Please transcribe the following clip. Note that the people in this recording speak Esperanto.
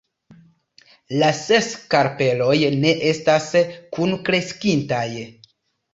La ses karpeloj ne estas kunkreskintaj.